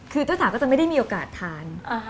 คือเจ้าสาวก็จะไม่ได้มีโอกาสทาน